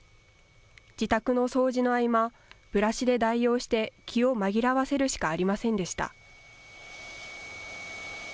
自宅の掃除の合間、ブラシで代用して、気を紛らわせるしかありませんでした。